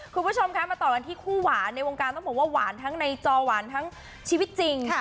คุณผู้ชมคะมาต่อกันที่คู่หวานในวงการต้องบอกว่าหวานทั้งในจอหวานทั้งชีวิตจริง